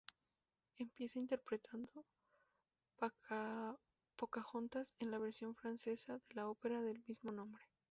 Empieza interpretando Pocahontas en la versión francesa de la ópera del mismo nombre.